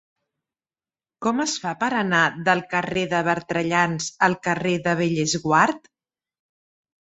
Com es fa per anar del carrer de Bertrellans al carrer de Bellesguard?